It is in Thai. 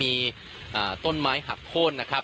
ตอนนี้ผมอยู่ในพื้นที่อำเภอโขงเจียมจังหวัดอุบลราชธานีนะครับ